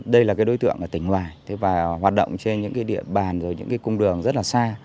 đây là đối tượng ở tỉnh hoài và hoạt động trên những địa bàn và cung đường rất xa